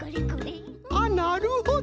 あっなるほど！